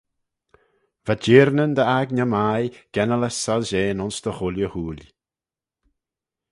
Va jeirnyn dy aigney mie gennalys soilshean ayns dy chooilley hooill.